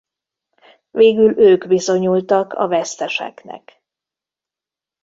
Végül ők bizonyultak a veszteseknek.